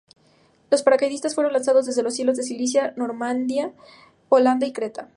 Los paracaidistas fueron lanzados desde los cielos en Sicilia, Normandía, Holanda y Creta.